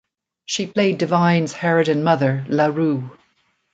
She played Divine's harridan mother, LaRue.